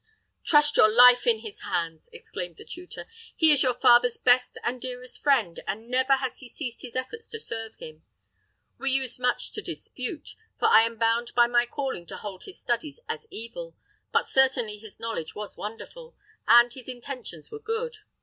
"Trust your life in his hands!" exclaimed the tutor. "He is your father's best and dearest friend, and never has he ceased his efforts to serve him. We used much to dispute, for I am bound by my calling to hold his studies as evil; but certainly his knowledge was wonderful, and his intentions were good.